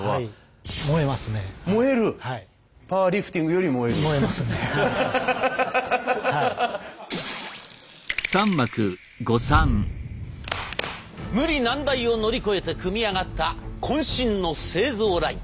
でも逆に言えば赤宗さん無理難題を乗り越えて組み上がったこん身の製造ライン。